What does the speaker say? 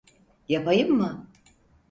Yapayım mı?